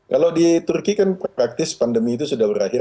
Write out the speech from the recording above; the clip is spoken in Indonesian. kalau di turki kan perhatiannya juga tidak berakhir